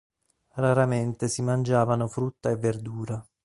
Raramente si mangiavano frutta e verdura.